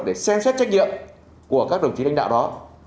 để xem xét trách nhiệm của các đồng chí lãnh đạo đó